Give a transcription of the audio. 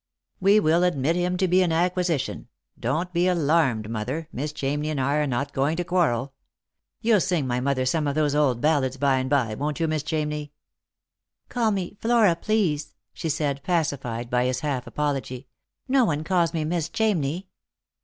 "We will admit him to be an acquisition. Don't be alarmed, mother, Miss Chamney and I are not going to quarrel. You'll adng my mother some of those old ballads, by and by, won't you Miss Chamney ?" 36 Lost for Love. " Call me Flora, please," she said, pacified by his half apology. " No one calls me Miss Chamney."